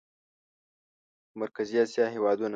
د مرکزي اسیا هېوادونه